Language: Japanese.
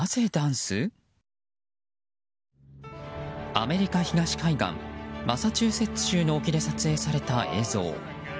アメリカ東海岸マサチューセッツ州の沖で撮影された映像。